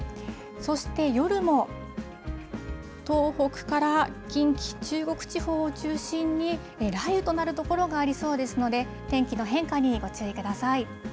そして、夜も東北から近畿、中国地方を中心に雷雨となる所がありそうですので、天気の変化にご注意ください。